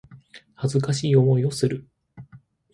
恥ずかしい思いをする